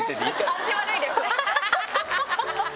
感じ悪いですよ。